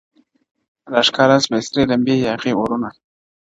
راښكاره سوې سرې لمبې ياغي اورونه!.